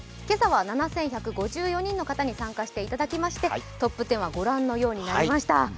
今朝は７１５４人の方に参加していただきましてトップ１０は御覧のようになりました。